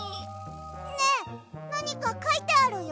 ねえなにかかいてあるよ。